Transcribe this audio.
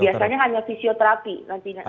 biasanya hanya fisioterapi nantinya